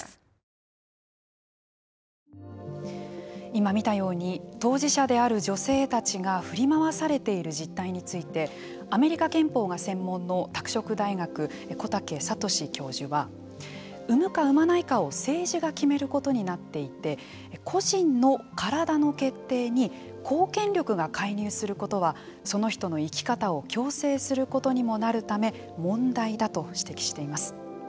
今見たように当事者である女性たちが振り回されている実態についてアメリカ憲法が専門の拓殖大学、小竹聡教授は産むか産まないかを政治が決めることになっていて個人の体の決定に公権力が介入することはその人の生き方を強制することにもなるため問題だと指摘しています。